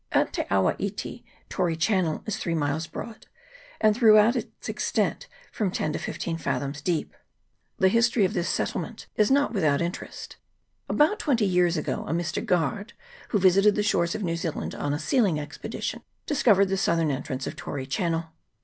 At Te awa iti, Tory Channel is three miles broad, and CHAP. II.] WHALES AND WHALERS. 39 throughout its extent from ten to fifteen fathoms deep. The history of this settlement is not without interest. About twenty years ago, a Mr. Guard, who visited the shores of New Zealand on a sealing expedition, discovered the southern entrance of Tory Channel.